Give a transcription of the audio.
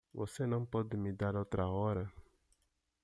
Você não pode me dar outra hora?